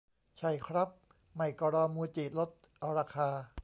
ใช่ครับ ไม่ก็รอมูจิลดราคา